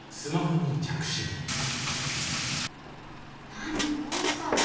何どうしたの？